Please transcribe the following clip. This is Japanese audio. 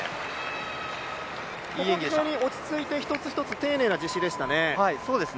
ここ非常に落ち着いて一つ一つ丁寧な実施でしたね。